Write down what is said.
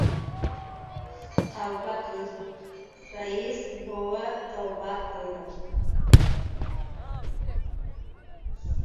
— Tavba qildim, rais bova, tavba qildim.